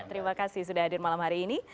terima kasih sudah hadir malam hari ini